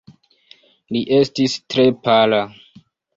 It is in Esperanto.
Li estis tre pala.